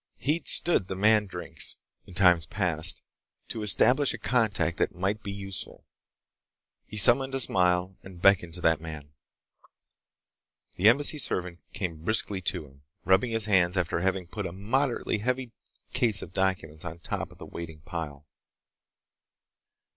He'd stood the man drinks, in times past, to establish a contact that might be useful. He summoned a smile and beckoned to that man. The Embassy servant came briskly to him, rubbing his hands after having put a moderately heavy case of documents on top of the waiting pile.